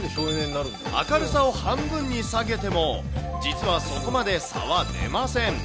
明るさを半分に下げても、実はそこまで差は出ません。